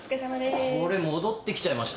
これ戻って来ちゃいましたよ。